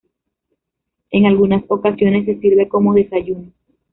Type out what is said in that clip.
En algunas ocasiones se sirve como desayuno.